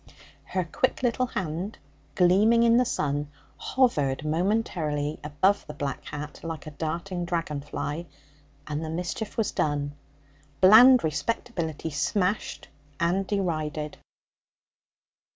Her quick little hand, gleaming in the sun, hovered momentarily above the black hat like a darting dragon fly, and the mischief was done bland respectability smashed and derided.